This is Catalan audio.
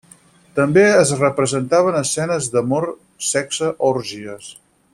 També es representaven escenes d'amor, sexe o orgies.